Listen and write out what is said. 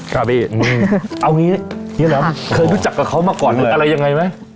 กล้าบีเอาอย่างงี้ค่ะเคยรู้จักกับเขามาก่อนเลยอะไรยังไงไหม